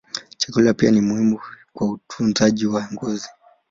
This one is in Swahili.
Chakula pia ni muhimu kwa utunzaji wa ngozi.